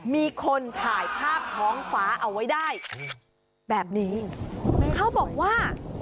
มีคนถ่ายภาพท้องฟ้าเอาไว้ได้แบบนี้เขาบอกว่า